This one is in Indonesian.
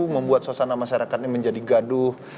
membuat suasana masyarakatnya menjadi gaduh